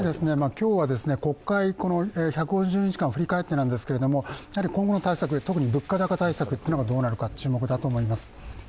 今日は国会、１５０日間を振り返ってなんですけれども、今後の対策、特に物価高対策がどうなるか注目だと思います。